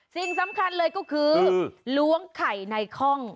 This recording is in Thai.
สิ่งสำคัญเลยก็คือล้วงไข่ในคล่อง